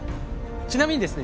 ちなみにですね